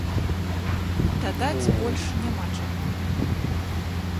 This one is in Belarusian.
Дадаць больш няма чаго.